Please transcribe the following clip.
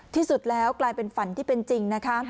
ที่สุดแล้วกลายเป็นฝันที่เป็นจริงนะคะ